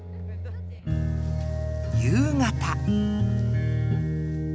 夕方。